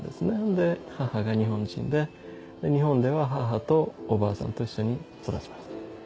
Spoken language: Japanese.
で母が日本人で日本では母とおばあさんと一緒に育ちました。